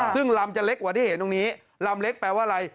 ซึ่งลำจะเล็กกว่าที่เห็นตรงนี้ลำเล็กแปลว่าอะไร